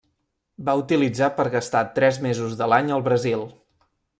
Va utilitzar per gastar tres mesos de l'any al Brasil.